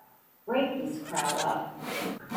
Break this crowd up!